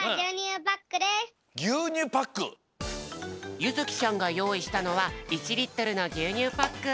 ゆづきちゃんがよういしたのは１リットルのぎゅうにゅうパック！